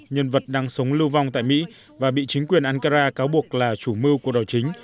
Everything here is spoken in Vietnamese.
nhân vật đang sống lưu vong tại mỹ và bị chính quyền ankara cáo buộc là chủ mưu của đảo chính